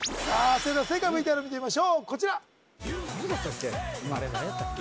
それでは正解ＶＴＲを見てみましょうこちらあれ何やったっけ？